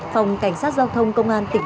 phòng cảnh sát giao thông công an tỉnh